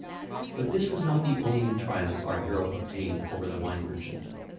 But this was not the only triumph our hero obtained over the wine merchant.